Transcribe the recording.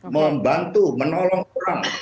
membantu menolong orang